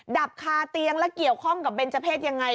ดับคาเตียงแล้วเกี่ยวข้องกับเบนเจอร์เพศยังไง